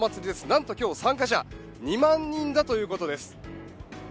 何と今日、参加者２万人だということです。